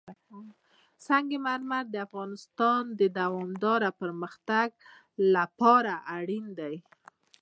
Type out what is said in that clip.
سنگ مرمر د افغانستان د دوامداره پرمختګ لپاره اړین دي.